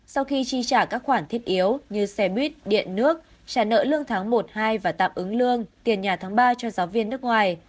sau khi chi trả các khoản thiết yếu như xe buýt điện nước trả nợ lương tháng một hai và tạm ứng lương tiền nhà tháng ba cho giáo viên nước ngoài